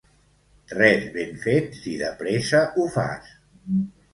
Res ben fet si de pressa ho fas.